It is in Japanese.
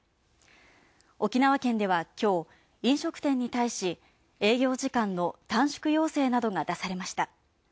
沖縄県では今日、飲食店に対し営業時間の短縮要請等が出されました。